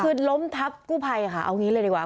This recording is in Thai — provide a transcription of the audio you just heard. คือล้มทับกู้ภัยค่ะเอางี้เลยดีกว่า